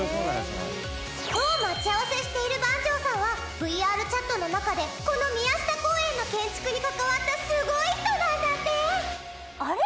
今日待ち合わせしている番匠さんはＶＲＣｈａｔの中でこの宮下公園の建築に関わったすごい人なんだって！